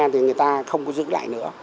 thì người ta không có giữ lại nữa